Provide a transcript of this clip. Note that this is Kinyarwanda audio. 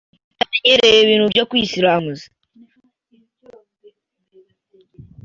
batamenyereye ibintu byo kwisiramuza.